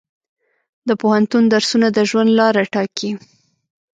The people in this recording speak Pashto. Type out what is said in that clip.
د پوهنتون درسونه د ژوند لاره ټاکي.